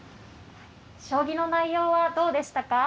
将棋の内容はどうでしたか。